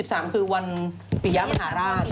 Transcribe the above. เพราะ๒๓คือวันปีย้ำนำหาราช